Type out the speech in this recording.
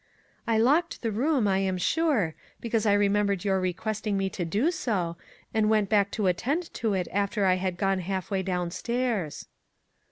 " I locked the room, I am sure, because I remembered your requesting me to do so, and went back to attend to it after I had gone half way downstairs."